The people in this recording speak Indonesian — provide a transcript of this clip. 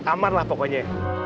aman lah pokoknya